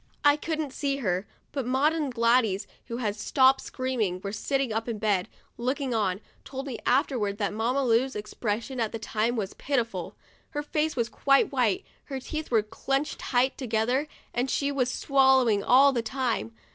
I couldn't see her, but Maud and Gladys, who had stopped screaming, and were sitting up in bed, looking on, told me afterwards that Mamma Lu's expression at the time was pitiful. Her face was quite white, her teeth were clinched tight to gether, and she was swallowing all the time.